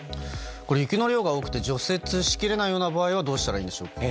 雪の量が多くて除雪しきれないような場合はどうしたらいいんでしょうか。